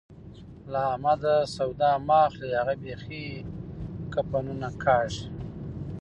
له احمده سودا مه اخلئ؛ هغه بېخي کفنونه کاږي.